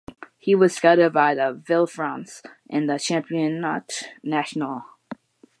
He was scouted by Villefranche in the Championnat National.